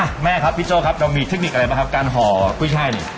แม่ครับพี่โจ้ครับเรามีเทคนิคอะไรบ้างครับการห่อกุ้ยช่ายเนี่ย